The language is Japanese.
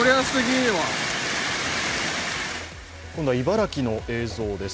今度は茨城の映像です。